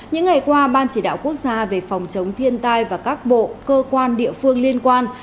những ngày qua ban chỉ đạo quốc gia về phòng chống thiên tai và các bộ cơ quan địa phương liên quan